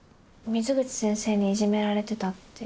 水口先生にイジメられてたって。